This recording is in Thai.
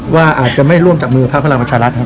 ว่าอาจจะไม่ร่วมจากมือภรรกรรมชาติรัฐครับ